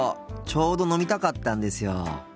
ちょうど飲みたかったんですよ。